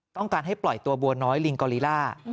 ต้องการให้ปล่อยตัวบัวน้อยลิงกอลิล่า